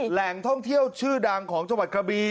แหล่งท่องเที่ยวชื่อดังของจังหวัดกระบี